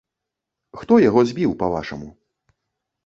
Хто яго збіў, па-вашаму?